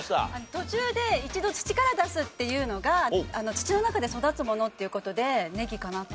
途中で一度土から出すっていうのが土の中で育つものっていう事でねぎかなと思って。